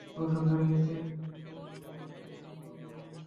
কিন্তু সাত বছর ধরে স্ত্রীর সঙ্গে তার কোনো দাম্পত্য সম্পর্ক নেই।